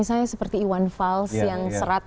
seperti iwan vals yang serat